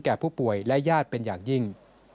ผู้ป่วยและญาติเป็นอย่างยิ่ง